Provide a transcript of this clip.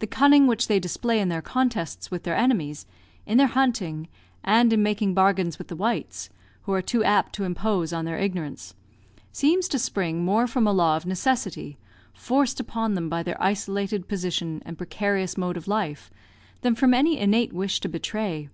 The cunning which they display in their contests with their enemies, in their hunting, and in making bargains with the whites (who are too apt to impose on their ignorance), seems to spring more from a law of necessity, forced upon them by their isolated position and precarious mode of life, than from any innate wish to betray.